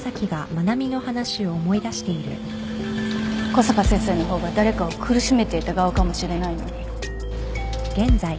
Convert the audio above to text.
小坂先生の方が誰かを苦しめていた側かもしれないのに